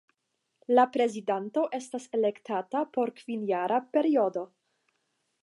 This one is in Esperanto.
La prezidanto estas elektata por kvinjara periodo.